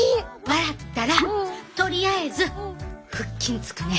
笑ったらとりあえず腹筋つくね。